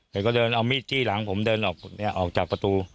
แล้วก็เดินเอามีดจี้หลังผมเดินออกจากประตู